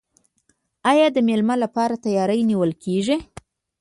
آیا د میلمه لپاره تیاری نه نیول کیږي؟